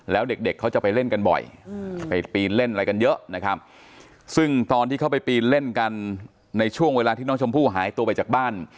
แล้วเด็กเด็กเขาจะไปเล่นกันบ่อยไปปีนเล่นอะไรกันเยอะนะครับซึ่งตอนที่เขาไปปีนเล่นกันในช่วงเวลาที่น้องชมพู่หายตัวไปจากบ้าน